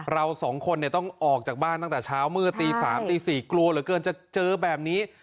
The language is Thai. เราสองคนต้องออกจากบ้านตั้งแต่เช้ามืดตี๓ตี๔กลัวเหลือเกินจะเจอแบบนี้